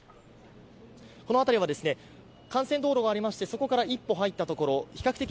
この辺りは幹線道路がありましてそこから一歩入ったところ比較的